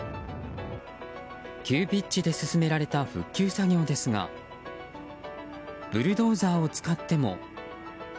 急ピッチで進められた復旧作業ですがブルドーザー使っても。